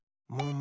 む？